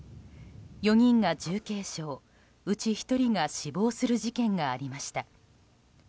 ４人が重軽傷、うち１人が死亡する事件がありました。